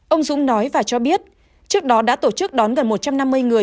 ông dũng nói và cho biết trước đó đã tổ chức đón gần một trăm năm mươi người